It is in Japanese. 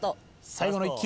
最後の１球。